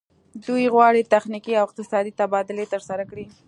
دوی غواړي تخنیکي او اقتصادي تبادلې ترسره کړي